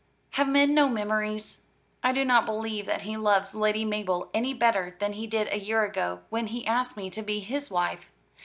Have men no memories? I do not believe that he loves Lady Mabel any better than he did a year ago, when he asked me to be his wife.